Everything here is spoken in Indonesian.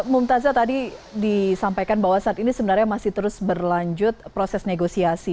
mumtazah tadi disampaikan bahwa saat ini sebenarnya masih terus berlanjut proses negosiasi